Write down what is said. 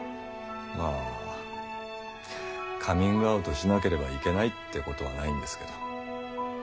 まあカミングアウトしなければいけないってことはないんですけど。